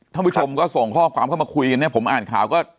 ท่านผู้ชมก็ส่งข้อความเข้ามาคุยกันเนี่ยผมอ่านข่าวก็